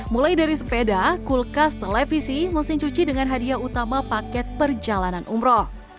mulai dari sepeda kulkas televisi mesin cuci dengan hadiah utama paket perjalanan umroh